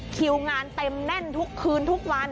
คิวงานเต็มแน่นทุกคืนทุกวัน